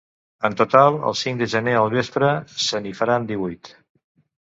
En total, el cinc de gener al vespre se n’hi faran divuit.